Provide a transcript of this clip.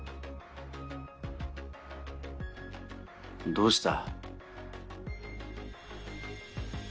どうした？